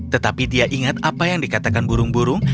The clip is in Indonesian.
tetapi dia ingat apa yang dikatakan burung burung